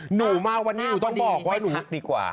หนูมาวันนี้หนูต้องบอกว่าน่าพอดีให้ทักดีกว่า